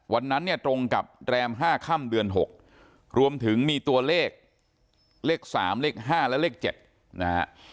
วันนั้นเนี่ยตรงกับแรม๕ค่ำเดือน๖รวมถึงมีตัวเลขเลข๓เลข๕และเลข๗นะฮะ